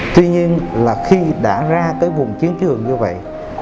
tuy nhiên là khi đã ra tới vùng chiến trường như vậy